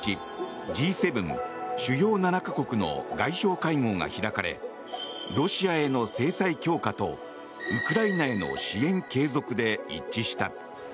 Ｇ７・主要７か国の外相会合が開かれロシアへの制裁強化とウクライナへの支援継続で一致した。